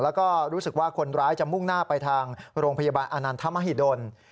แล้วก็รู้สึกว่าคนร้ายจะมุ่งหน้าไปทางโรงพยาบาลอานันทมหิดล